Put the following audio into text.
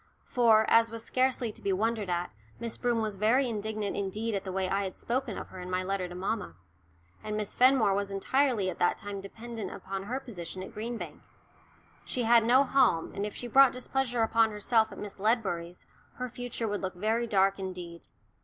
For, as was scarcely to be wondered at, Miss Broom was very indignant indeed at the way I had spoken of her in my letter to mamma. And Miss Fenmore was entirely at that time dependent upon her position at Green Bank. She had no home, and if she brought displeasure upon herself at Miss Ledbury's her future would look very dark indeed.